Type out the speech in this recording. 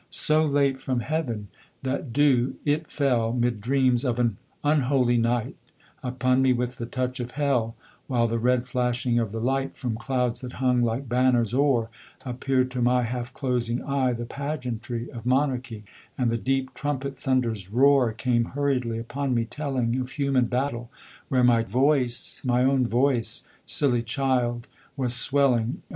So late from Heaven that dew it fell ('Mid dreams of an unholy night) Upon me with the touch of Hell, While the red flashing of the light From clouds that hung, like banners, o'er, Appeared to my half closing eye The pageantry of monarchy, And the deep trumpet thunder's roar Came hurriedly upon me, telling Of human battle, where my voice, My own voice, silly child! was swelling (O!